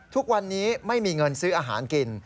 ทุกวันนี้ไม่มีเงินซื้ออาหารกิน